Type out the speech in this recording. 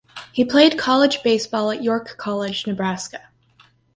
He played college baseball at York College (Nebraska).